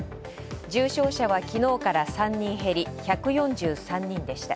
重症者は昨日から３人減り１４３人でした。